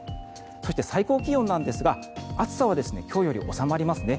そして、最高気温なんですが暑さは今日より収まりますね。